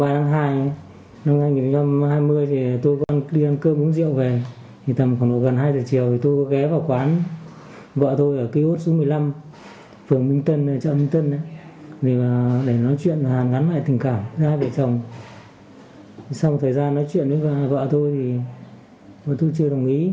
lê đức hạnh đã đến ký ốt số một mươi năm chợ minh tân để nói chuyện với vợ cũ là chị nguyễn thị ngọc anh sinh năm một nghìn chín trăm chín mươi tám trong nhà ra đuổi hạnh về sẵn men rượu trong người